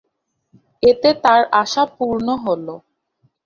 এতে তার আশা পূর্ণ হল।